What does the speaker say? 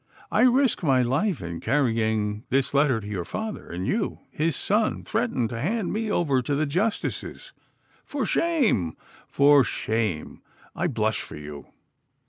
I risk my life in carrying this letter to your father; and you, his son, threaten to hand me over to the justices! For shame! For shame! I blush for you!